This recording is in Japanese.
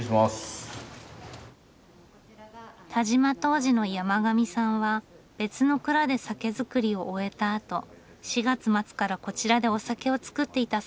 但馬杜氏の山上さんは別の蔵で酒造りを終えたあと４月末からこちらでお酒を造っていたそうです。